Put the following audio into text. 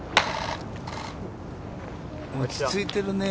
落ちついてるね。